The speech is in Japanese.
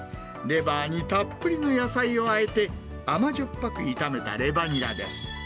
レバーにたっぷりの野菜をあえて、甘じょっぱく炒めたレバニラです。